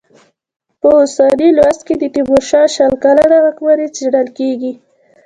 په اوسني لوست کې د تېمورشاه شل کلنه واکمني څېړل کېږي.